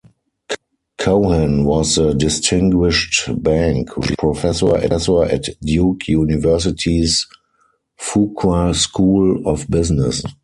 Cohen was the Distinguished Bank Research Professor at Duke University's Fuqua School of Business.